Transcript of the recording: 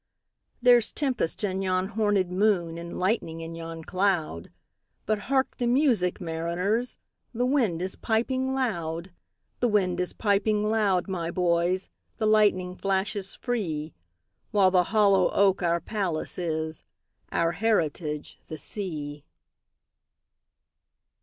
There's tempest in yon hornèd moon, And lightning in yon cloud:But hark the music, mariners! The wind is piping loud; The wind is piping loud, my boys, The lightning flashes free—While the hollow oak our palace is, Our heritage the sea.